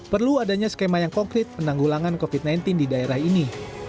perlu adanya skema yang konkret penanggulangan covid sembilan belas di daerah ini